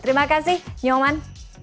terima kasih nyuman